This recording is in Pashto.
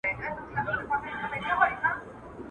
هم به ښادۍ وي هم به لوی لوی خیراتونه کېدل.